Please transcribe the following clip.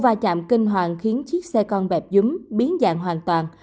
cụ vài chạm kinh hoàng khiến chiếc xe cong bẹp dúm biến dạng hoàn toàn